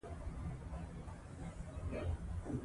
په راکړه ورکړه کې افغانۍ وکاروئ.